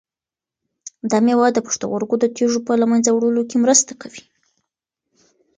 دا مېوه د پښتورګو د تیږو په له منځه وړلو کې مرسته کوي.